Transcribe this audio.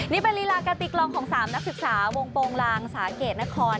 นี่เป็นลีลาการตีกลองของ๓นักศึกษาวงโปรงลางสาเกตนคร